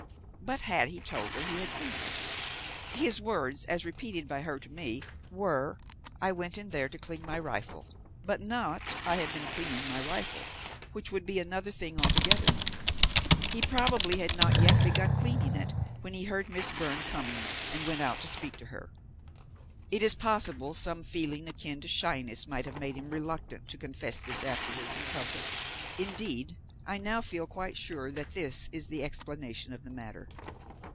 But had he told her he had cleaned it? His words, as repeated by her to me, were, 'I went in there to clean my rifle,' but not, 'I have been cleaning my rifle,' which would be another thing altogether, he probably had not yet begun cleaning it when he heard Miss Byrne coming and went out to speak to her; it is possible some feeling akin to shyness might make him reluctant to confess this afterwards in public. Indeed I now feel quite sure that this is the explanation of the matter.